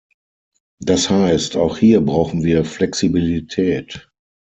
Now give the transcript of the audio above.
Das heißt, auch hier brauchen wir Flexibilität.